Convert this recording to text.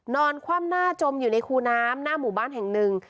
คว่ำหน้าจมอยู่ในคูน้ำหน้าหมู่บ้านแห่งหนึ่ง